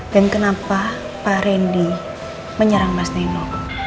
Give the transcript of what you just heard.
dan kenapa pak randy menyerang mas nino